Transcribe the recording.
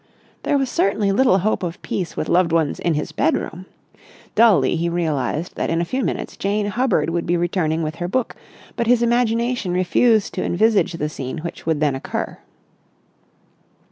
There was certainly little hope of peace with loved ones in his bedroom. Dully, he realised that in a few minutes Jane Hubbard would be returning with her book, but his imagination refused to envisage the scene which would then occur.